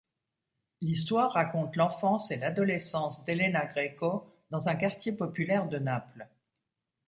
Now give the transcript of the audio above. L'histoire raconte l'enfance et l'adolescence d'Elena Greco, dans un quartier populaire de Naples.